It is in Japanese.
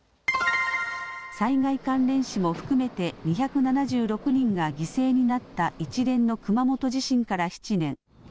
災害関連死も含めて２７６人が犠牲になった一連の熊本地震から７年。